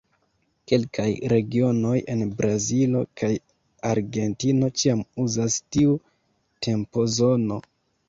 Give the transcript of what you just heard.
Kelkaj regionoj en Brazilo kaj Argentino ĉiam uzas tiu tempozono.